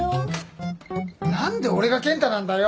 何で俺がケン太なんだよ！